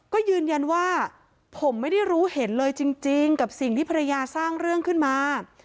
ก็ยืนยันว่าผมไม่ได้รู้เห็นเลยจริงกับสิ่งที่ภรรยาสร้างเรื่องขึ้นมา